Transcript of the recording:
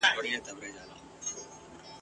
ړنګول مي معبدونه هغه نه یم !.